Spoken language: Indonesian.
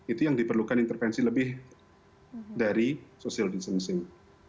itu yang diperlukan intervensi lebih dari social distancing